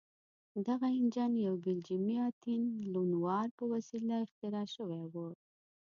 دغه انجن یو بلجیمي اتین لونوار په وسیله اختراع شوی و.